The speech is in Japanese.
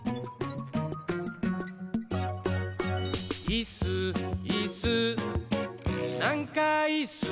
「いっすーいっすーなんかいっすー」